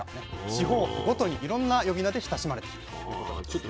地方ごとにいろんな呼び名で親しまれてるということなんですね。